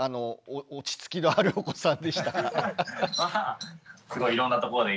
落ち着きがあるお子さんでしたか？